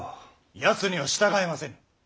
やつには従えませぬ。